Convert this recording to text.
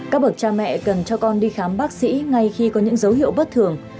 các bậc cha mẹ cần cho con đi khám bác sĩ ngay khi có những dấu hiệu bất thường